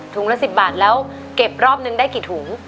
ละ๑๐บาทแล้วเก็บรอบนึงได้กี่ถุง